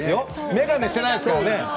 眼鏡していないですからね。